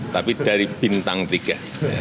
tapi dari bintang tiga